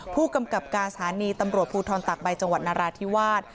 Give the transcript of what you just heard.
ผู้กำกับการสถานีตำรวจภูทรตักใบจังหวัดนราธิวาส